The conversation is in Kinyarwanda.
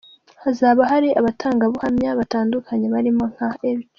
Hazaba hari abatangangabuhamya batandukanye barimo nka H.